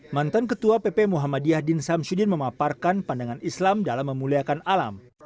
mantan ketua pp muhammadiyah din samsudin memaparkan pandangan islam dalam memuliakan alam